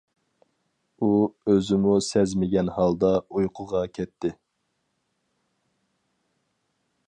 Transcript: ئۇ ئۆزىمۇ سەزمىگەن ھالدا ئۇيقۇغا كەتتى.